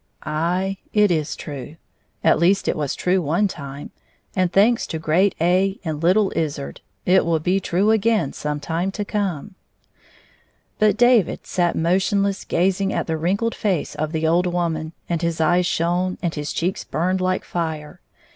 Aye, it is true. At least it was true one time, and thanks to great A and Httle izzard it will be true again sometime to come. But David sat motionlessly gazing at the wrinkled face of the old woman, and his eyes shone and his cheeks burned like fire.